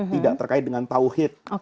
tidak terkait dengan tawhid